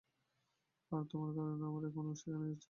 আর তোমার কারণে আমরা এখন সেখানেই যাচ্ছি।